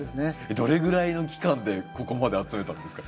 どれぐらいの期間でここまで集めたんですか？